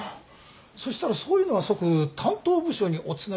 そしたらそういうのは即「担当部署におつなぎします」って